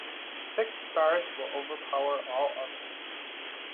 Six stars will overpower all others.